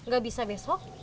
gak bisa besok